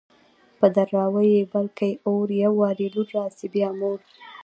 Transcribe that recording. په دراوۍ يې بل کي اور _ يو وار يې لور راسي بيا مور